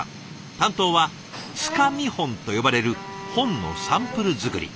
担当は「束見本」と呼ばれる本のサンプル作り。